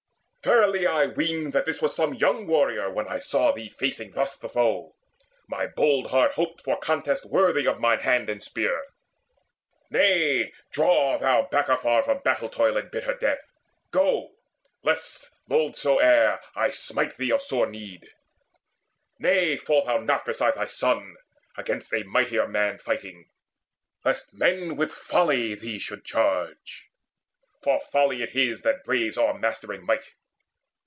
Verily I weened That this was some young warrior, when I saw Thee facing thus the foe. My bold heart hoped For contest worthy of mine hand and spear. Nay, draw thou back afar from battle toil And bitter death. Go, lest, how loth soe'er, I smite thee of sore need. Nay, fall not thou Beside thy son, against a mightier man Fighting, lest men with folly thee should charge, For folly it is that braves o'ermastering might."